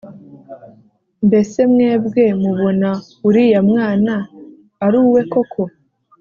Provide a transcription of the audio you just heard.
mbese mwebwe mubona uriya mwana ari uwe koko